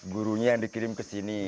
gurunya yang dikirim ke sini